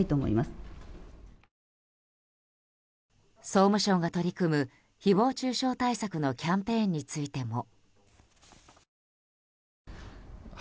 総務省が取り組む誹謗中傷対策のキャンペーンについても。